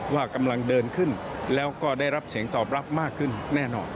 ว่ากำลังเดินขึ้นแล้วก็ได้รับเสียงตอบรับมากขึ้นแน่นอน